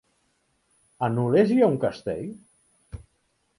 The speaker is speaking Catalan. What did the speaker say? A Nules hi ha un castell?